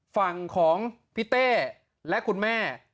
ฝั่งของพี่เต้และคุณแม่